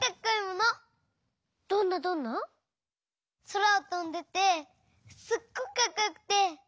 そらをとんでてすっごくかっこよくて。